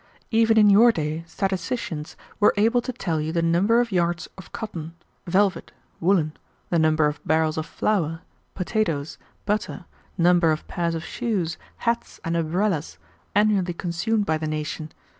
Even in your day statisticians were able to tell you the number of yards of cotton, velvet, woolen, the number of barrels of flour, potatoes, butter, number of pairs of shoes, hats, and umbrellas annually consumed by the nation.